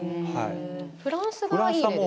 フランスがいい例ですよね。